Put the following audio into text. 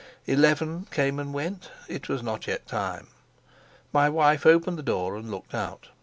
Eleven came and went. It was not yet time. My wife opened the door and looked out.